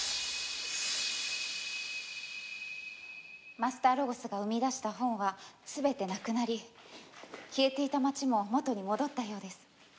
マスターロゴスが生み出した本は全てなくなり消えていた街も元に戻ったようです。